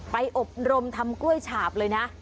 อบรมทำกล้วยฉาบเลยนะ